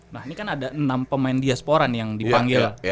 nah ini kan ada enam pemain diaspora nih yang dipanggil